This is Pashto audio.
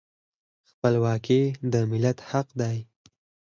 خپلواکي د ملت حق دی.